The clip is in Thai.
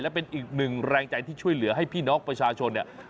และเป็นอีกหนึ่งแรงใจที่ช่วยเหลือให้พี่น้องประชาชนเนี่ย